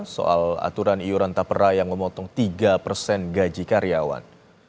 soal aturan iuran tapera yang memotong tiga persen gaji karyawan